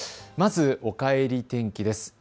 まず、おかえり天気です。